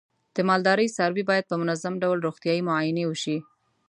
د مالدارۍ څاروی باید په منظم ډول روغتیايي معاینې وشي.